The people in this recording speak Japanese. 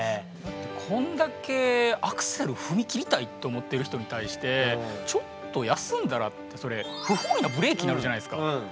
こんだけアクセル踏み切りたいって思ってる人に対してちょっと休んだらってそれ不本意なブレーキになるじゃないですか。